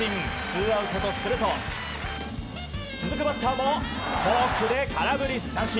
ツーアウトとすると続くバッターもフォークで空振り三振。